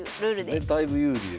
だいぶ有利ですよ。